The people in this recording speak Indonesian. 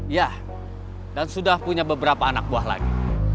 ya dan sudah punya beberapa anak buah lagi